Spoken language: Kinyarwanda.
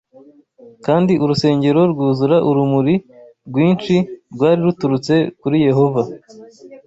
kandi urusengero rwuzura urumuri rwinshi rwari ruturutse kuri Yehova